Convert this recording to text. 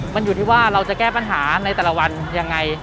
มันอยู่ที่ว่าเราจะแก้ปัญหาในแต่ละวันยังไง